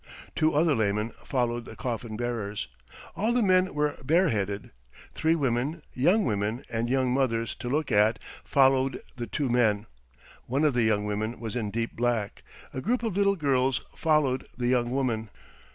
Two other laymen followed the coffin bearers. All the men were bareheaded. Three women young women and young mothers to look at followed the two men. One of the young women was in deep black. A group of little girls followed the young woman.